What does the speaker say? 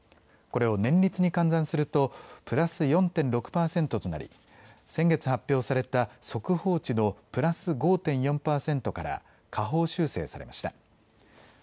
これを年率に換算するとプラス４．６％となり、先月発表された速報値のプラス５．４％から下方修正されました。